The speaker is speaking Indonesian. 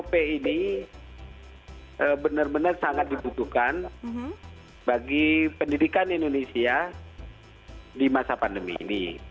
pp ini benar benar sangat dibutuhkan bagi pendidikan indonesia di masa pandemi ini